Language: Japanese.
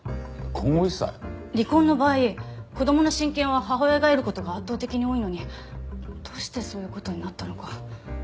離婚の場合子供の親権は母親が得る事が圧倒的に多いのにどうしてそういう事になったのか。